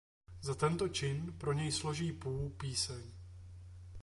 Za tento čin pro něj složí Pú píseň.